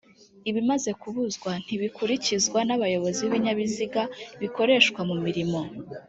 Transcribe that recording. ibimaze kubuzwa ntibikurikizwa n abayobozi b ibinyabiziga bikoreshwa mu mirimo